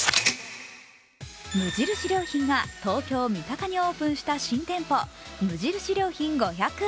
無印良品が東京・三鷹にオープンした新店舗、無印良品５００。